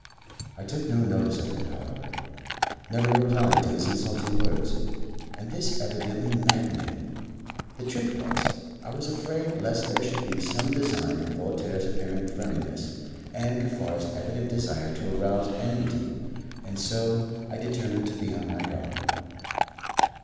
I took no notice of him, however never replied to his insulting words; and this evidently maddened him. The truth was, I was afraid lest there should be some design in Voltaire's apparent friendliness and Kaffar's evident desire to arouse enmity, and so I determined to be on my guard.